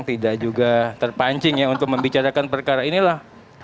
tidak juga terpancing ya untuk membicarakan perkara inilah